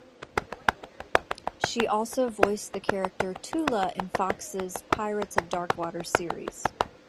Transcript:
She also voiced the character Tula in Fox's "Pirates of Dark water" series.